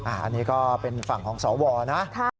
อันนี้ก็เป็นฝั่งของสวนะ